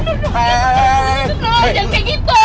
tidur jangan kayak gitu